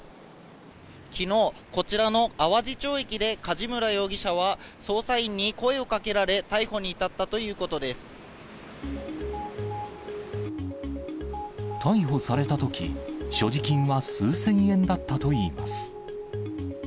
きのう、こちらの淡路町駅で、梶村容疑者は捜査員に声をかけられ、逮捕に逮捕されたとき、所持金は数千円だったといいます。